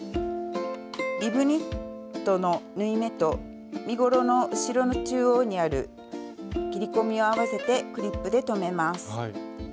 リブニットの縫い目と身ごろの後ろの中央にある切り込みを合わせてクリップで留めます。